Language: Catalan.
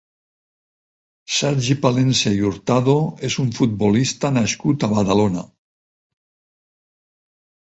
Sergi Palencia i Hurtado és un futbolista nascut a Badalona.